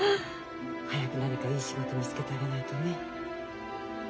早く何かいい仕事見つけてあげないとね。